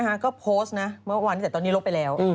ก็โพสต์นะเมื่อวานตั้งแต่ตอนนี้ลบไปแล้ว